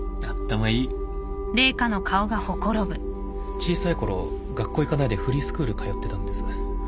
小さい頃学校行かないでフリースクール通ってたんです。